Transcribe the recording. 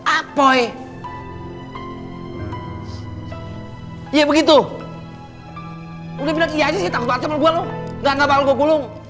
apoi iya begitu udah bilang iya sih takut ngebel lu gak ada apa apa gua gulung iya gitu